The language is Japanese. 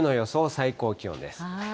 最高気温です。